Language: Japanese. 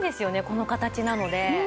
この形なので。